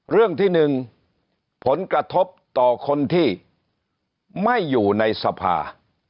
เรื่องที่๑ผลกระทบต่อคนที่ไม่อยู่ในสภา